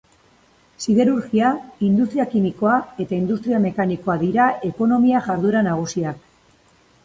Siderurgia, industria kimikoa eta industria mekanikoa dira ekonomia jarduera nagusiak.